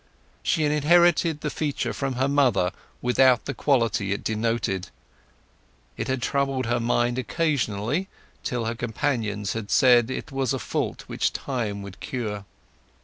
She had inherited the feature from her mother without the quality it denoted. It had troubled her mind occasionally, till her companions had said that it was a fault which time would cure.